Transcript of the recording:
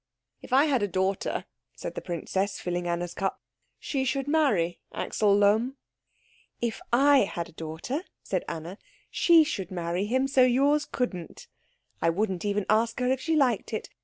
"If I had a daughter," said the princess, filling Anna's cup, "she should marry Axel Lohm." "If I had a daughter," said Anna, "she should marry him, so yours couldn't. I wouldn't even ask her if she liked it.